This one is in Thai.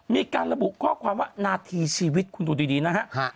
มีการระบุข้อความว่านาทีชีวิตคุณดูดีนะฮะ